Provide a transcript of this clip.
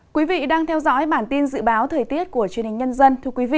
quý vị đang theo dõi bản tin dự báo thời tiết của truyền hình nhân dân